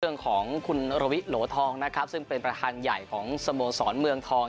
เรื่องของคุณระวิโหลทองนะครับซึ่งเป็นประธานใหญ่ของสโมสรเมืองทอง